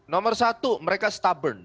nomor satu mereka stubborn